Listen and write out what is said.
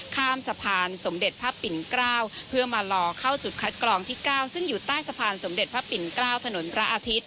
ข้ามสะพานสมเด็จพระปิ่น๙เพื่อมารอเข้าจุดคัดกรองที่๙ซึ่งอยู่ใต้สะพานสมเด็จพระปิ่น๙ถนนพระอาทิตย